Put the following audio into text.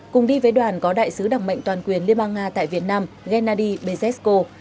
cùng đi với đoàn có đại sứ đặc mệnh toàn quyền liên bang nga tại việt nam gennady bezesko